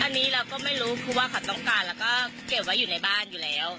อันนี้เราก็ไม่รู้เพราะว่าเขาต้องการแล้วก็เก็บไว้อยู่ในบ้านอยู่แล้ว